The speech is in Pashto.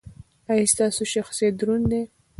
ایا ستاسو شخصیت دروند دی؟